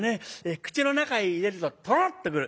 口の中へ入れるとトロッと来る。